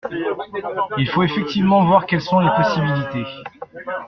Il faut effectivement voir quelles sont les possibilités.